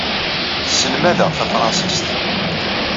Tesselmad-aɣ tafransist.